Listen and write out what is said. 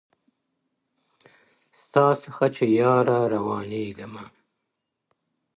ستا څخه چي ياره روانـــــــــــېــږمه-